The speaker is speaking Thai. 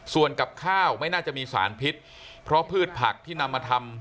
ส่วนกับข้าวไม่น่าจะมีสารพิษเพราะพืชผักที่นำมาทำ